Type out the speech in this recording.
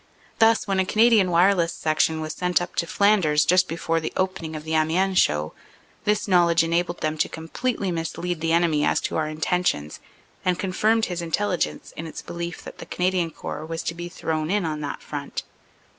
Thus, when a Canadian wireless section was sent up to Flanders just before the opening of the Amiens show, this knowledge enabled them to completely mislead the enemy as to our intentions and confirmed his Intelligence in its belief that the Canadian Corps was to be thrown in on that front.